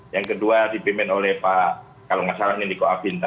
yang kedua dipimpin oleh pak kalau tidak salah niko abinta